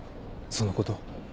そのこと。